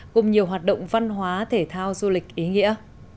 cùng nhiều hoạt động văn hóa thể thao du lịch ý nghĩa